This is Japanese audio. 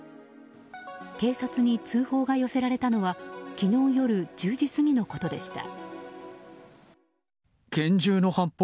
警察に通報が寄せられたのは昨日夜１０時過ぎのことでした。